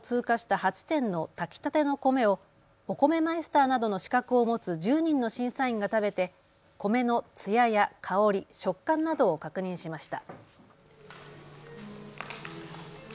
８点の炊きたての米をお米マイスターなどの資格を持つ１０人の審査員が食べて米のつやや香り、食感などを確認しました。